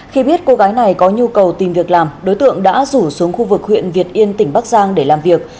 khi biết cô gái này có nhu cầu tìm việc làm đối tượng đã rủ xuống khu vực huyện việt yên tỉnh bắc giang để làm việc